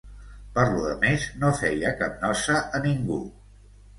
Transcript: Per lo demés, no feia cap nosa a ningú.